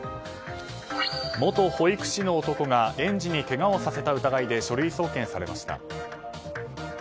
元保育士の男が園児にけがをさせた疑いで書類送検されました。